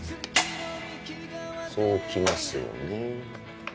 そうきますよね